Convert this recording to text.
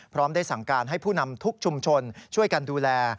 พร้อมได้สั่งการให้ผู้นำทุกชุมชนช่วยกันดูแล